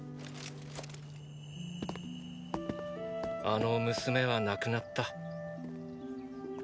あの娘は亡くなった。！！